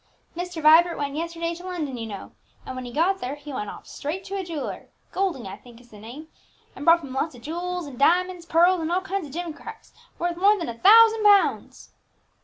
"Master Vibert went yesterday to London, you know; and when he got there, he went off straight to a jeweller (Golding, I think, is the name), and bought from him lots of jewels, diamonds, pearls, and all kinds of gim cracks, worth more than a thousand pounds."